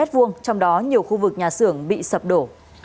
trong đó nhiều khu vực nhà xưởng bị sập đổ